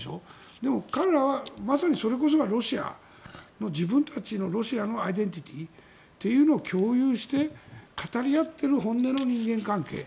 でも、彼らはまさにそれこそが自分たちロシアのアイデンティティーというのを共有して語り合っている本音の人間関係。